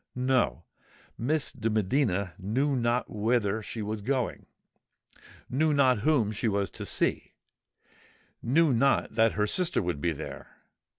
No:—Miss de Medina knew not whither she was going—knew not whom she was to see—knew not that her sister would be there!